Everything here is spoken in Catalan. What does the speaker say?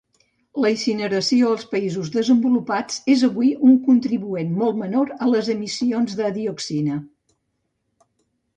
La incineració als països desenvolupats és avui un contribuent molt menor a les emissions de dioxina.